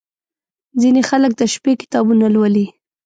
• ځینې خلک د شپې کتابونه لولي.